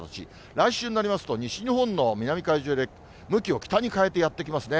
来週になりますと、西日本の南海上で向きを北に変えてやって来ますね。